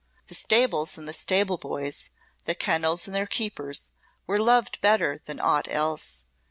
The stables and the stable boys, the kennels and their keepers, were loved better than aught else.